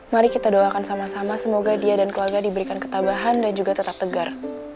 mari kita doakan sama sama semoga dia dan keluarga diberikan ketabahan dan juga tetap tegar